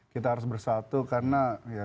kita harus bersatu karena